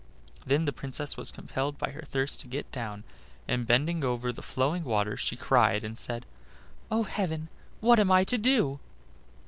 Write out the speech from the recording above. Then the Princess was compelled by her thirst to get down, and bending over the flowing water she cried and said: "Oh! heaven, what am I to do?"